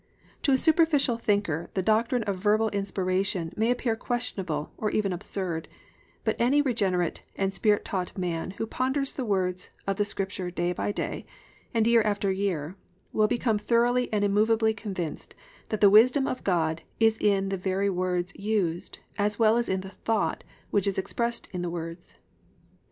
To a superficial thinker the doctrine of Verbal Inspiration may appear questionable or even absurd, but any regenerate and Spirit taught man who ponders the words of the Scripture day by day, and year after year, will become thoroughly and immovably convinced that the wisdom of God is in the very words used as well as in the thought which is expressed in the words.